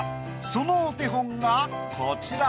そのお手本がこちら。